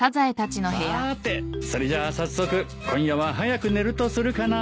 さてそれじゃあ早速今夜は早く寝るとするかな。